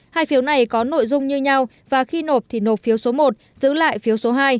hai phiếu này có nội dung như nhau và khi nộp thì nộp phiếu số một giữ lại phiếu số hai